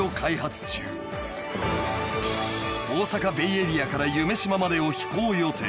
［大阪ベイエリアから夢洲までを飛行予定］